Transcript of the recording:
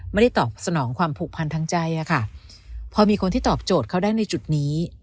ไม่ได้ตอบสนองความผูกพันทางใจอะค่ะพอมีคนที่ตอบโจทย์เขาได้ในจุดนี้